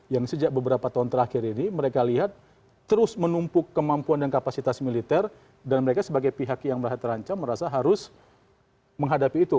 yang sejak beberapa tahun terakhir ini mereka lihat terus menumpuk kemampuan dan kapasitas militer dan mereka sebagai pihak yang merasa terancam merasa harus menghadapi itu